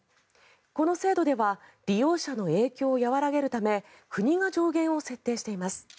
この制度では利用者の影響を和らげるため国が上限を設定しています。